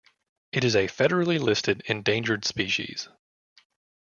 It is a federally listed endangered species.